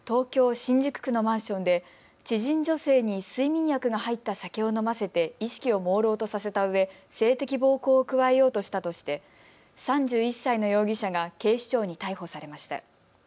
新宿区のマンションで知人女性に睡眠薬が入った酒を飲ませて意識をもうろうとさせたうえ性的暴行を加えようとしたとして３１歳の容疑者が警視庁に逮捕されました。